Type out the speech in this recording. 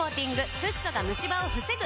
フッ素がムシ歯を防ぐ！